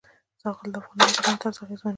زغال د افغانانو د ژوند طرز اغېزمنوي.